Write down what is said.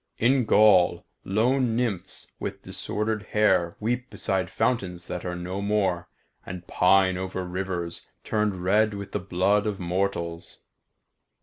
In Gaul lone nymphs with disordered hair weep beside fountains that are no more, and pine over rivers turned red with the blood of mortals.